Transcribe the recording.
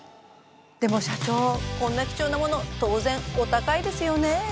でも社長こんな貴重なもの当然お高いですよね？